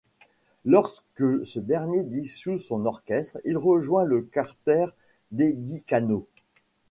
Lorsque ce dernier dissout son orchestre, il rejoint le quartet d'Eddie Cano.